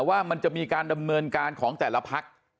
ว่ามันจะมีการดำเนินการของแต่ละพัก